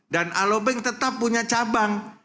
dan alo bank tetap punya cabang